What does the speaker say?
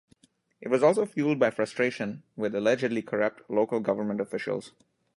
It was also fueled by frustration with allegedly corrupt local government officials.